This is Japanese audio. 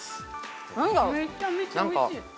めっちゃめちゃおいしい！